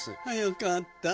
よかった。